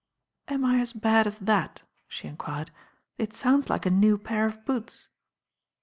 "Am I as bad as that?" she enquired. "It sounds like a new pair of boots."